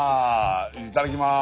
いただきます。